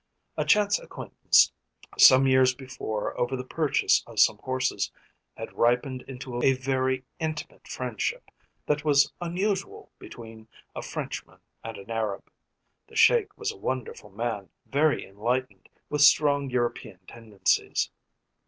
A chance acquaintance some years before over the purchase of some horses had ripened into a very intimate friendship that was unusual between a Frenchman and an Arab. The Sheik was a wonderful man, very enlightened, with strong European tendencies.